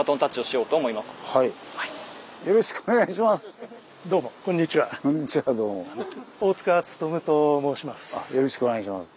よろしくお願いします。